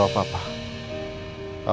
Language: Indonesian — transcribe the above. kamu gak jawab apa